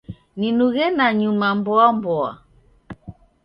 Ninughe nanyuma mboa mboa